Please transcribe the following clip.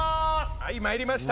はい参りました。